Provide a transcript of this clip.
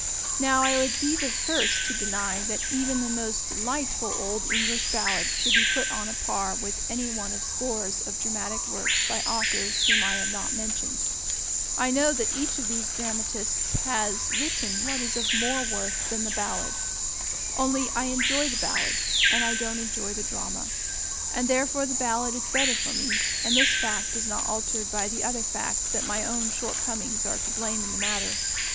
Now I would be the first to deny that even the most delightful old English ballad should be put on a par with any one of scores of dramatic works by authors whom I have not mentioned; I know that each of these dramatists has written what is of more worth than the ballad; only, I enjoy the ballad, and I don't enjoy the drama; and therefore the ballad is better for me, and this fact is not altered by the other fact that my own shortcomings are to blame in the matter.